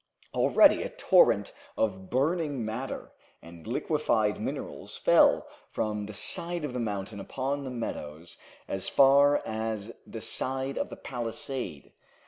Already a torrent of burning matter and liquefied minerals fell from the side of the mountain upon the meadows as far as the side of the palisade.